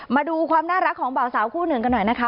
มาดูความน่ารักของเบาสาวคู่หนึ่งกันหน่อยนะคะ